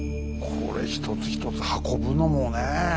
これ一つ一つ運ぶのもねえ